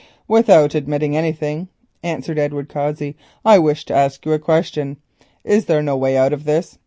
"Without admitting anything," answered Edward Cossey, "I wish to ask you a question. Is there no way out of this?